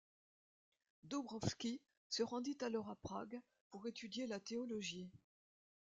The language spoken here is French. Dobrovský se rendit alors à Prague pour étudier la théologie.